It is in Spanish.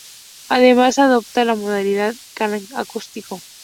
Además, adopta la modalidad "Kraken Acústico".